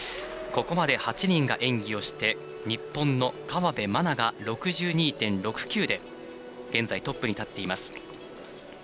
ここまで８人が演技をして日本の河辺愛菜が６２．６９で現在トップに立っています。